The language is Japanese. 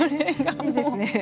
いいですね。